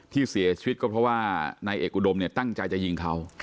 ที่เสียชีวิตก็เพราะว่านายเอกอุดมเนี่ยตั้งใจจะยิงเขา